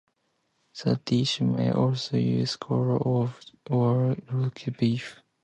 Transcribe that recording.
The dish may also use corned or roast beef.